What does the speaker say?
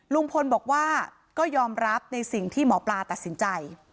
ลุงพลบอกว่าก็ยอมรับในสิ่งที่หมอปลาตัดสินใจ